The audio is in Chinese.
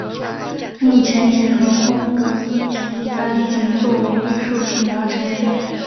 目前几何风格字体一般仅作为艺术品而呈现。